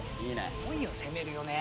すごいよ。攻めるよね。